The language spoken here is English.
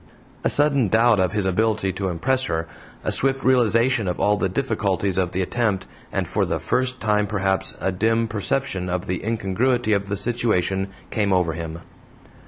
A sudden doubt of his ability to impress her, a swift realization of all the difficulties of the attempt, and, for the first time perhaps, a dim perception of the incongruity of the situation came over him.